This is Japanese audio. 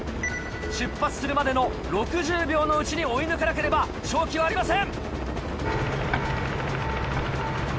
出発するまでの６０秒のうちに追い抜かなければ勝機はありません。